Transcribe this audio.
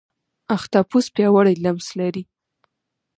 اختاپوس پیاوړی لمس لري.